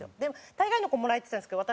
大概の子もらえてたんですけど